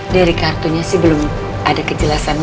dari kartunya sih belum ada kejelasan